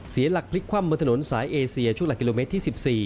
เสียหลักพลิกคว่ำบนถนนสายเอเซียช่วงหลักกิโลเมตรที่๑๔